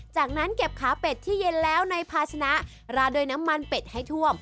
จากนั้นเก็บขาเป็ดที่เย็นแล้วในภาชนะราดด้วยน้ำมันเป็ดให้ท่วม